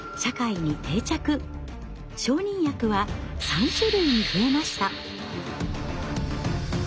承認薬は３種類に増えました。